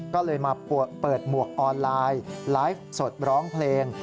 ก็เลยมาเปิดหมวกออนไลน์ไลฟ์สดร้องเพลง